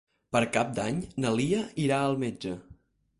Per Cap d'Any na Lia irà al metge.